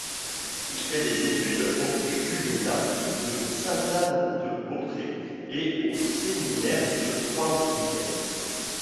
Il fait des études au Juvénat de Sainte-Anne-de-Beaupré et au Séminaire de Trois-Rivières.